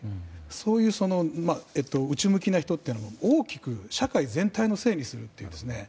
そういう内向きな人というのは大きく社会全体のせいにするという。